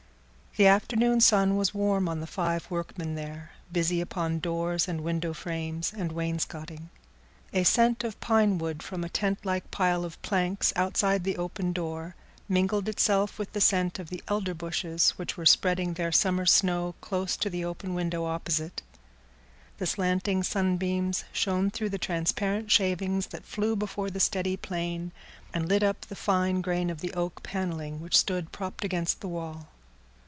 The afternoon sun was warm on the five workmen there, busy upon doors and window frames and wainscoting. A scent of pine wood from a tentlike pile of planks outside the open door mingled itself with the scent of the elder bushes which were spreading their summer snow close to the open window opposite; the slanting sunbeams shone through the transparent shavings that flew before the steady plane, and lit up the fine grain of the oak panelling which stood propped against the wall.